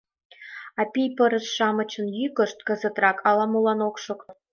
— А пий-пырыс-шамычын йӱкышт кызытрак ала-молан ок шокто.